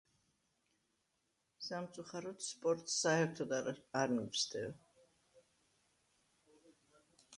სამწუხაროდ, სპორტს საერთოდ არა, არ მივსდევ